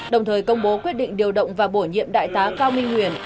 đồng thời công bố quyết định điều động và bổ nhiệm đại tá cao minh huyền